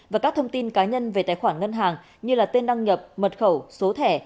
và các thông tin cá nhân về tài khoản ngân hàng như tên đăng nhập mật khẩu số thẻ